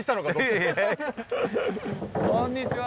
こんにちは。